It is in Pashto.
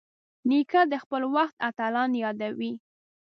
نیکه د خپل وخت اتلان یادوي.